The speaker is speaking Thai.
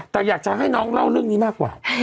แต่อยากจะให้น้องเล่าเรื่องนี้มากกว่า